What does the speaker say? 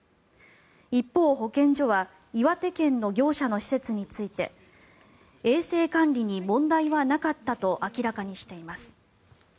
一方、保健所は岩手県の業者の施設について衛生管理に問題はなかったと明らかにしています。